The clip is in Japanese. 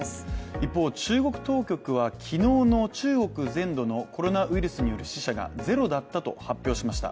一方、中国当局は昨日の中国全土のコロナウイルスによる死者がゼロだったと発表しました。